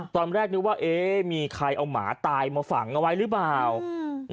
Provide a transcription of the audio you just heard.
ตอนแรกนึกว่าเอ๊ะมีใครเอาหมาตายมาฝังเอาไว้หรือเปล่าอืม